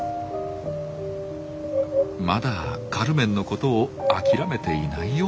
まだカルメンのことをあきらめていないようです。